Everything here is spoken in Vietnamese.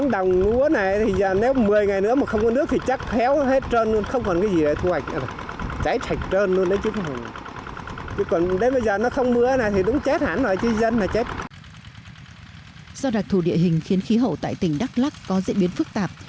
do đặc thù địa hình khiến khí hậu tại tỉnh đắk lắc có diễn biến phức tạp